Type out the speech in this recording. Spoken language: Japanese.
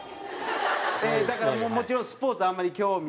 だからもちろんスポーツあんまり興味ない？